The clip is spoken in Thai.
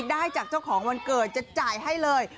ได้จากเจ้าของวันเกิดจะจ่ายให้เลย